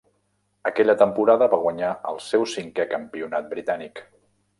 Aquella temporada va guanyar el seu cinquè Campionat Britànic.